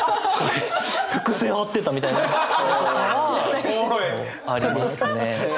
伏線張ってたみたいな。ありますね。